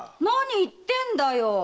何言ってんだよ。